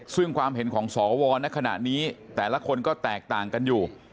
ซึ่งความเห็นของสวในขณะนี้แต่ละคนก็แตกต่างกันอยู่